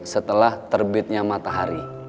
setelah terbitnya matahari